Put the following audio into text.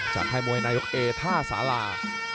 จากไทยมวยลูกเนยกท่าสารา